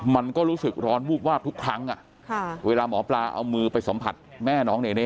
มันก็รู้สึกร้อนวูบวาบทุกครั้งเวลาหมอปลาเอามือไปสัมผัสแม่น้องเนเน่